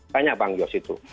tanya bang yos itu